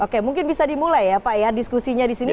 oke mungkin bisa dimulai ya pak ya diskusinya di sini